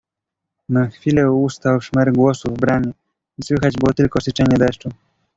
"Na chwilę ustał szmer głosów w bramie i słychać było tylko syczenie deszczu."